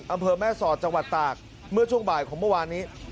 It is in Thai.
อำเภอแม่สอดจังหวัดตากเมื่อช่วงบ่ายของเมื่อวานนี้